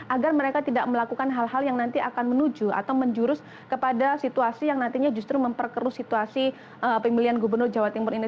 agar mereka tidak melakukan hal hal yang nanti akan menuju atau menjurus kepada situasi yang nantinya justru memperkeruh situasi pemilihan gubernur jawa timur ini